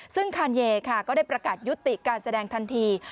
ซึ่งคานเยค่ะก็ได้ประกาศยุติการแสดงทันที